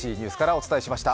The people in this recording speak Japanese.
お伝えしました。